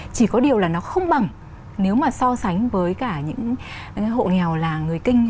chỉ có điều là nó không bằng nếu mà so sánh với cả những hộ nghèo là người kinh